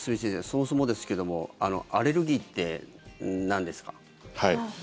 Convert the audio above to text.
そもそもですけどもアレルギーってなんですか？